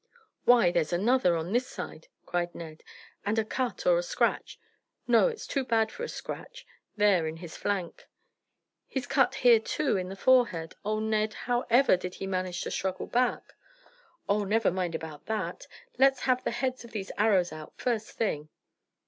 "Why, there's another on this side," cried Ned, "and a cut or a scratch no, it's too bad for a scratch there in his flank." "He's cut here too, in the forehead. Oh, Ned, however did he manage to struggle back?" "Oh, never mind about that. Let's have the heads of these arrows out first thing."